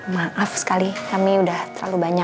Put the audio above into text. maaf sekali kami udah terlalu banyak